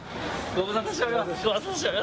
ご無沙汰しております！